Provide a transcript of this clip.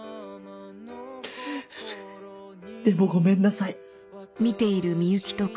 でもごめんなさい。